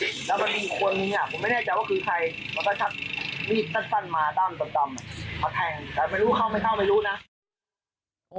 แต่ไม่รู้เข้าไม่เข้าไม่รู้นะ